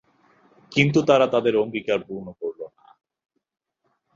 কিন্তু তারা তাদের অঙ্গীকার পূর্ণ করল না।